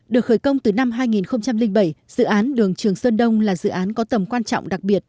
được khởi công từ năm hai nghìn bảy dự án đường trường sơn đông là dự án có tầm quan trọng đặc biệt